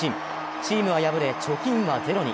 チームは敗れ、貯金はゼロに。